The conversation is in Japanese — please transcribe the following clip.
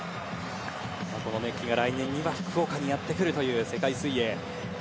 この熱気が来年には福岡にやってくるという世界水泳。